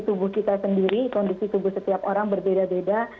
tubuh kita sendiri kondisi tubuh setiap orang berbeda beda